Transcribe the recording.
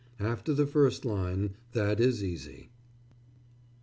After the first line that is easy.